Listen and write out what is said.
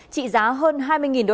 trị giá hơn hai mươi usd